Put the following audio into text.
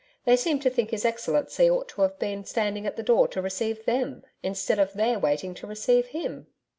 They seem to think his Excellency ought to have been standing at the door to receive THEM, instead of their waiting to receive HIM.'